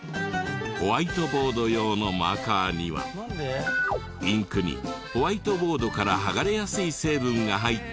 ホワイトボード用のマーカーにはインクにホワイトボードから剥がれやすい成分が入っていて。